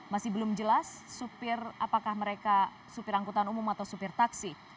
masih belum jelas supir apakah mereka supir angkutan umum atau supir taksi